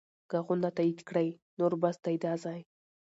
ږغونه تایید کړئ نور بس دی دا ځای.